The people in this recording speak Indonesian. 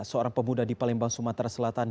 seorang pemuda di palembang sumatera selatan